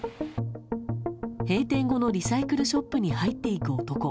閉店後のリサイクルショップに入っていく男。